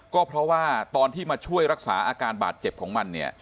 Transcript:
ก็เพราะว่าตอนที่มาช่วยรักษาอาการบาดเจ็บของมันเนี่ย